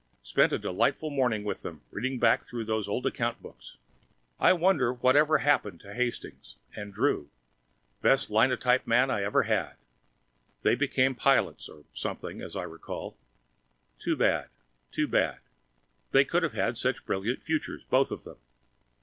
Spent a delightful morning with them, reading back through those old account books. I wonder whatever happened to Hastings? And Drew? Best linotype men I ever had. They became pilots, or something, as I recall. Too bad, too bad. They could have had such brilliant futures, both of them.